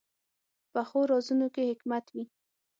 پخو رازونو کې حکمت وي